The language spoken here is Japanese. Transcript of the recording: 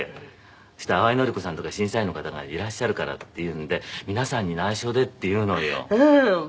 「そしたら淡谷のり子さんとか審査員の方がいらっしゃるから」っていうんで「皆さんに内緒で」って言うのよ。